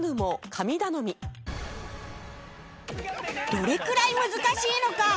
どれくらい難しいのか？